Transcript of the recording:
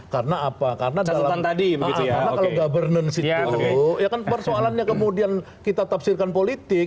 karena apa karena kalau governance itu persoalannya kemudian kita tafsirkan politik